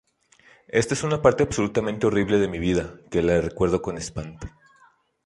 Esta es una parte absolutamente horrible de mi vida, que la recuerdo con espanto“.